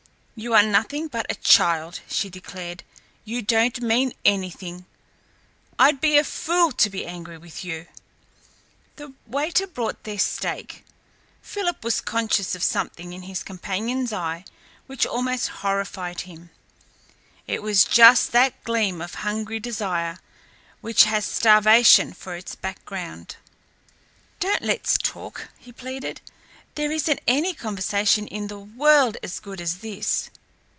"You are nothing but a child!" she declared. "You don't mean anything. I'd be a fool to be angry with you." The waiter brought their steak. Philip was conscious of something in his companion's eyes which almost horrified him. It was just that gleam of hungry desire which has starvation for its background. "Don't let's talk," he pleaded. "There isn't any conversation in the world as good as this."